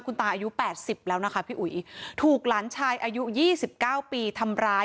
คุณตาอายุแปดสิบแล้วนะคะพี่อุ๋ยถูกหลานชายอายุยี่สิบเก้าปีทำร้าย